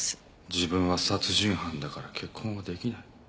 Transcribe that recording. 自分は殺人犯だから結婚はできない。